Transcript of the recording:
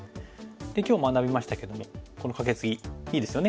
で今日学びましたけどもこのカケツギいいですよね。